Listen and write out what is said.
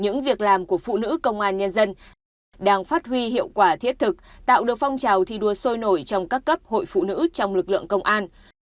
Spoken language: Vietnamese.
những việc làm của phụ nữ công an nhân dân đang phát huy hiệu quả thiết thực tạo được phong trào thi đua sôi nổi trong các cấp hội phụ nữ trong lực lượng công an